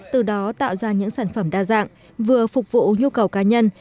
từ đó tạo ra những sản phẩm đa dạng vừa phục vụ nhu cầu cá nhân